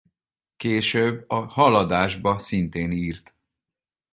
Később a Haladásba szintén írt.